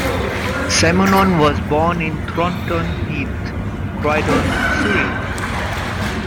Simonon was born in Thornton Heath, Croydon, Surrey.